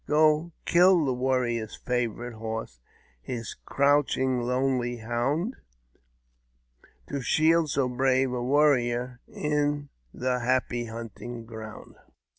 Go, kill the warrior's favourite horse, His crouching, lonely hound ; To shield so brave a warrior In the happy hunting ground.